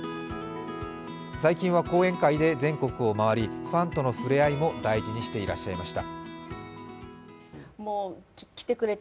最近は講演会で全国を回りファンとのふれあいも大事にされていました。